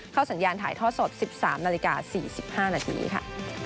เข้าสัญญาณถ่ายท่อสด๑๓น๔๕นค่ะ